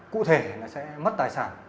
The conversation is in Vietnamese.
cụ thể sẽ mất tài sản